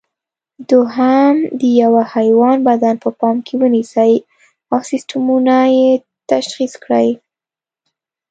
دوهم: د یوه حیوان بدن په پام کې ونیسئ او سیسټمونه یې تشخیص کړئ.